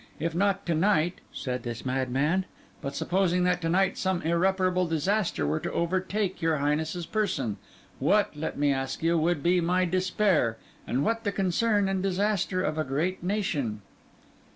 'If not to night,' said this madman; but supposing that to night some irreparable disaster were to overtake your Highness's person, what, let me ask you, what would be my despair, and what the concern and disaster of a great nation?"